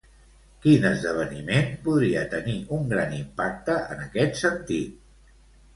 Quin esdeveniment podria tenir un gran impacte en aquest sentit?